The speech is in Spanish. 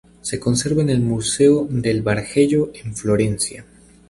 Se conserva en el museo del Bargello, en Florencia.